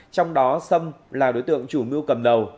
trong đó sâm là đối tượng chủ mưu cầm đầu